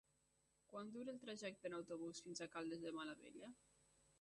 Quant dura el trajecte en autobús fins a Caldes de Malavella?